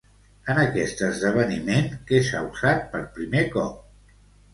En aquest esdeveniment, què s'ha usat per primer cop?